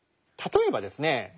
例えばですね